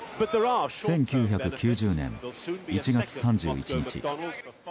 １９９０年１月３１日。